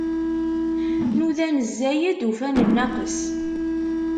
Nudan zzayed, ufan nnaqes.